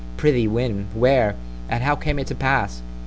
Prithee when? where?—and how came it to pass?